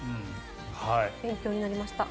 勉強になりました。